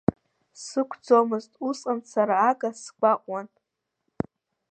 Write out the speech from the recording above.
Сықәӡомызт усҟан сара ага, сгәаҟуан…